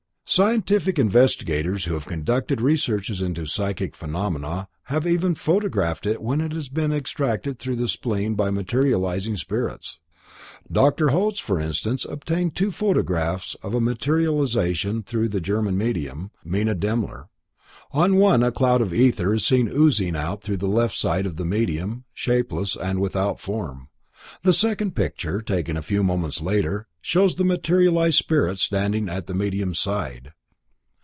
Scientific investigators who have conducted researches into psychic phenomena have even photographed it when it has been extracted through the spleen by materializing spirits. Dr. Hotz for instance obtained two photographs of a materialization through the German medium, Minna Demmler. On one a cloud of ether is seen oozing out through the left side of the medium, shapeless and without form. The second picture, taken a few moments later, shows the materialized spirit standing at the medium's side.